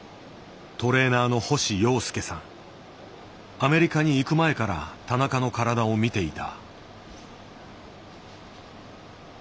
アメリカに行く前から田中の体を見ていた。